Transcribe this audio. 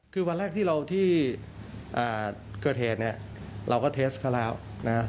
คือวันแรกที่เราที่อ่าเกือร์เทนเนี้ยเราก็เทสเขาแล้วนะ